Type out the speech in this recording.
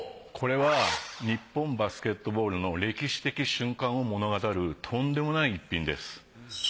これは日本バスケットボールの歴史的瞬間を物語るとんでもない逸品です。